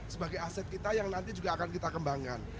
sebagai aset kita yang nanti juga akan kita kembangkan